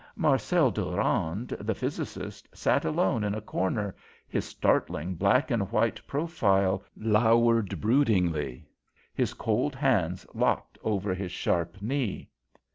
Marcel Durand, the physicist, sat alone in a corner, his startling black and white profile lowered broodingly, his cold hands locked over his sharp knee.